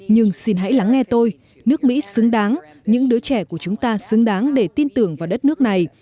nhưng xin hãy lắng nghe tôi nước mỹ xứng đáng những đứa trẻ của chúng ta xứng đáng để tin tưởng vào đất nước này